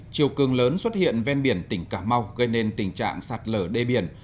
chiều cường lớn xuất hiện ven biển tỉnh cà mau gây nên tình trạng sạt lở đê biển